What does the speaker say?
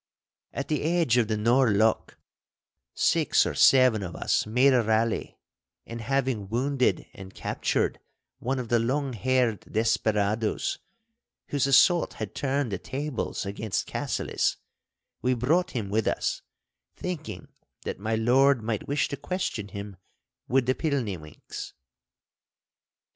At the edge of the Nor' Loch, six or seven of us made a rally, and having wounded and captured one of the long haired desperadoes whose assault had turned the tables against Cassillis, we brought him with us, thinking that my Lord might wish to question him with the pilniewinks.